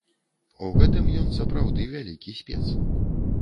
У гэтым ён сапраўды вялікі спец.